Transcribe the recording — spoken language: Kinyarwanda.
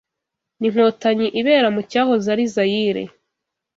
N’Inkotanyi ibera mu cyahoze ari Zayire